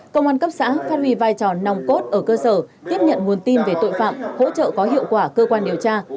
công an cấp xã phát huy vai trò nòng cốt ở cơ sở tiếp nhận nguồn tin về tội phạm hỗ trợ có hiệu quả cơ quan điều tra